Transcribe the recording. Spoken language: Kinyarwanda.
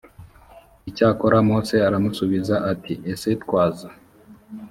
icyakora mose aramusubiza ati ese twaza